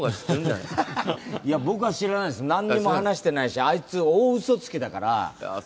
いや、僕は知らないです、何にも話してないし、あいつ大嘘つきだから。